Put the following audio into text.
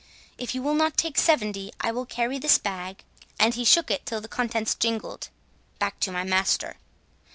If you will not take seventy, I will carry this bag" (and he shook it till the contents jingled) "back to my master."